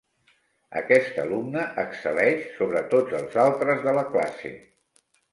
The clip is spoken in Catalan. Aquest alumne excel·leix sobre tots els altres de la classe.